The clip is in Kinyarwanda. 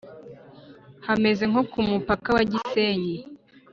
hameze nko ku mupaka wa gisenyi